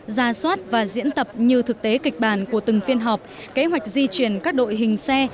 ra soát và diễn tập như thực tế kịch bản của từng phiên họp kế hoạch di chuyển các đội hình xe